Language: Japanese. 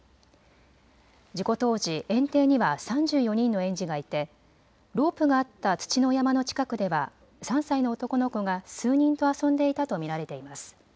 事故当時、園庭には３４人の園児がいてロープがあった土の山の近くでは３歳の男の子が数人と遊んでいたと見られています。